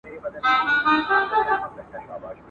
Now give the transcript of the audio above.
نسته څوک د رنځ طبیب نه د چا د زړه حبیب.